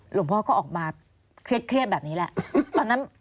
หลวงพ่อก็ออกมาเครียดแบบนี้แหละตอนนั้น